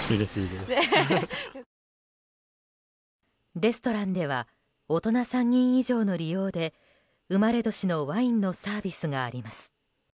レストランでは大人３人以上の利用で生まれ年のワインのサービスがあります。